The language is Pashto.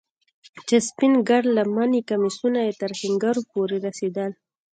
چې سپين گرد لمني کميسونه يې تر ښنگرو پورې رسېدل.